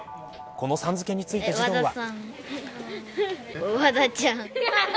このさん付けについて、児童は。